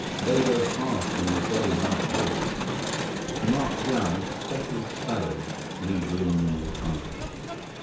They go fast on a day like this." "Marked down. Special sale." Li grinned in reply.